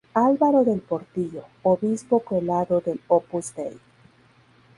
Álvaro del Portillo, Obispo Prelado del Opus Dei.